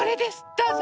どうぞ。